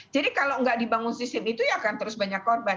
jadi kalau nggak dibangun sistem itu ya akan terus banyak korban